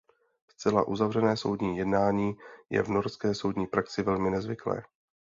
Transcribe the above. Zcela uzavřené soudní jednání je v norské soudní praxi velmi nezvyklé.